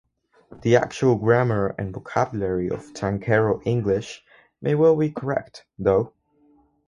The actual grammar and vocabulary of "tankero English" may well be correct, though.